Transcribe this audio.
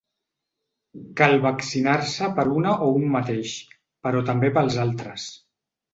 Cal vaccinar-se per una o un mateix, però també pels altres.